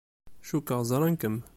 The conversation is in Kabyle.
Cukkeɣ ẓran-kem.